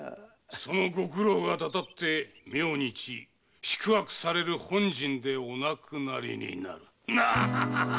そのご苦労がたたって明日宿泊される本陣でお亡くなりになる！